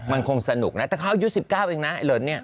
มันคงสนุกนะแต่เขาเอายูสิบเก้าเองนะไอ้เลิศเนี่ย